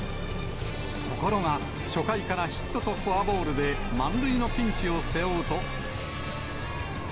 ところが、初回からヒットとフォアボールで満塁のピンチを背負うと。